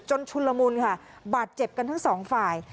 ชุนละมุนค่ะบาดเจ็บกันทั้งสองฝ่าย